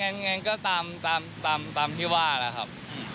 งั้นก็ตามที่ว่าล่ะครับ